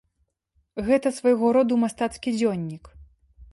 Гэта свайго роду мастацкі дзённік.